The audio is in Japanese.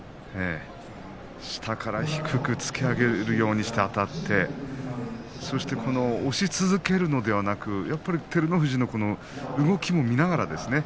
下から下から低く突き上げるようにして、あたってそして、押し続けるのではなくて照ノ富士の動きを見ながらですね。